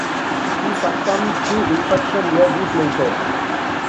He succumbed to infection a week later.